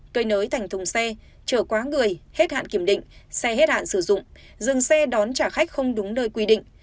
cơi nới thành thùng xe chở quá người hết hạn kiểm định xe hết hạn sử dụng dừng xe đón trả khách không đúng nơi quy định